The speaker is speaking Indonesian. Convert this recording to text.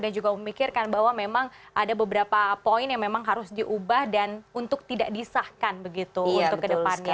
dan juga memikirkan bahwa memang ada beberapa poin yang memang harus diubah dan untuk tidak disahkan begitu untuk kedepannya